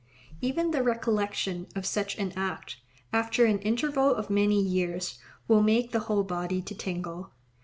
Even the recollection of such an act, after an interval of many years, will make the whole body to tingle.